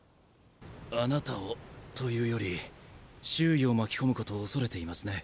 貴方をというより周囲を巻き込む事を恐れていますね